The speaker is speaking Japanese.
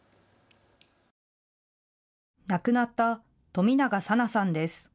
亡くなった冨永紗菜さんです。